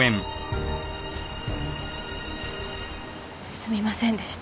すみませんでした。